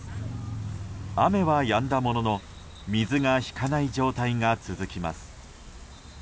雨はやんだものの水が引かない状態が続きます。